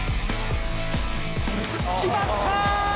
決まった！